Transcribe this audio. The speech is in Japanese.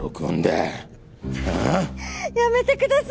あぁ？やめてください。